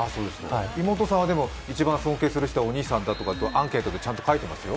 妹さんは一番尊敬する人はお兄さんだと、アンケートでちゃんと書いてますよ。